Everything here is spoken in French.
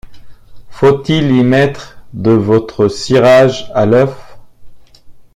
Faut-il y mettre de votre cirage à l’œuf?